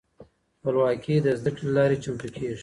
خپلواکې د زده کړې له لارې چمتو کیږي.